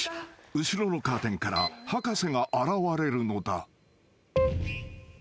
［後ろのカーテンから博士が現れるのだ］